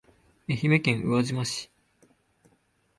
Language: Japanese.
愛媛県宇和島市